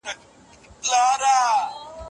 تر څو د شغار د نکاح له حکم څخه ووځي.